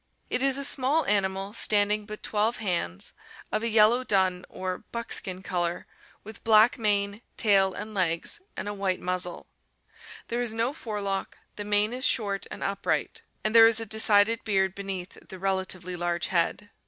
It is a small animal, standing but is hands, of a yellow dun or "buckskin" color, with black mane, tail, and legs, and a white muzzle. There is no fore lock, the mane is short and upright, and there is a decided beard beneath the relatively large head.